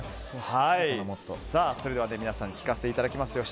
それでは皆さん聞かせていただきます。